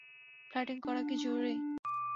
Flirting করা কি জরুরী?